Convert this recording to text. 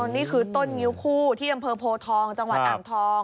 นี่คือต้นงิ้วคู่ที่อำเภอโพทองจังหวัดอ่างทอง